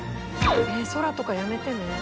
空とかやめてね。